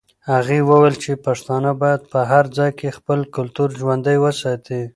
هغې وویل چې پښتانه باید په هر ځای کې خپل کلتور ژوندی وساتي.